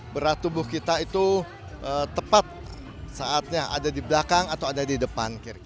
berat tubuh kita itu tepat saatnya ada di belakang atau ada di depan